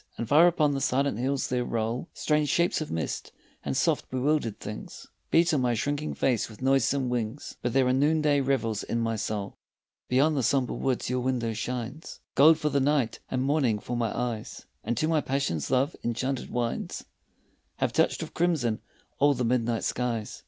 And far upon the silent hills there roll Strange shapes of mist, and soft bewildered things Beat on my shrinking face with noisome wings, But there are noonday revels in my soul. Beyond the sombre woods your window shines Gold for the night and morning for my eyes, And to my passion love's enchanted wines Have touched with crimson all the midnight skies.